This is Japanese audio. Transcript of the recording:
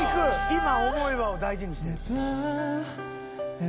「今思えば」を大事にしてる。